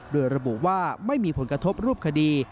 โดยระบุว่าไม่มีผลกระทบรูปคดี